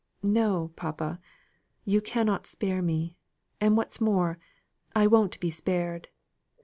"No, papa, you cannot spare me, and what's more, I won't be spared."